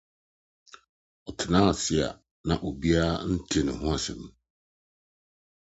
Ɔtraa ase a na obiara nte ne ho asɛm.